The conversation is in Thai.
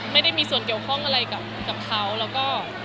ไม่ได้มีส่วนเกี่ยวข้องอะไรกับเขาแล้วก็